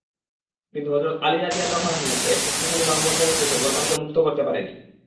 কিন্তু হযরত আলী রাযিয়াল্লাহু আনহু এর শক্তিশালী বাহুবন্ধন হতে সে গর্দানকে মুক্ত করতে পারেনি।